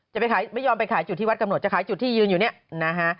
จะไปขายไม่ยอมไปขายจุดที่วัดกำหนดจะขายจุดที่ยืนอยู่เนี่ยนะฮะ